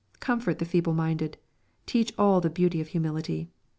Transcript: Com fort the feeble minded. Teach all the beauty of humility.